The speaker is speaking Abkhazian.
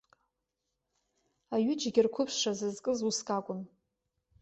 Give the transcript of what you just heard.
Аҩыџьагьы рқәыԥшра зызкыз уск акәын.